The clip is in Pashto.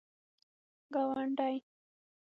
گاونډی